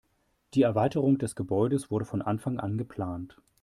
Die Erweiterung des Gebäudes wurde von Anfang an geplant.